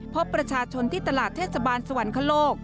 พบประชาชนที่ตลาดเทศบาลสวรรคโลก